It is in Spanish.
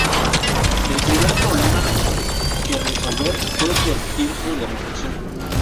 El primer problema que resolver fue el del tiempo de reflexión.